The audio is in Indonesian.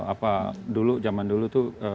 apa dulu zaman dulu tuh